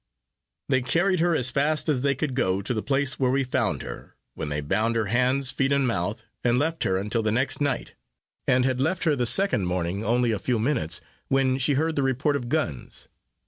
They carried her as fast as they could go to the place where we found her, when they bound her hands, feet and mouth, and left her until the next night; and had left her the second morning, only a few minutes, when she heard the report of guns.